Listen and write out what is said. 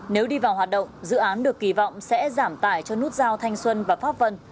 nếu đi vào hoạt động dự án được kỳ vọng sẽ giảm tải cho nút giao thanh xuân và pháp vân